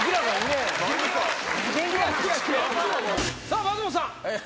さぁ松本さん。